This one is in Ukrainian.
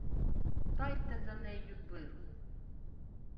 — Дайте за неї виру...